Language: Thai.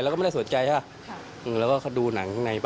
ก็ไม่ได้เอกใจ